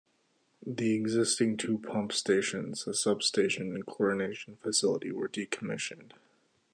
The existing two pump stations, a substation and chlorination facility were decommissioned.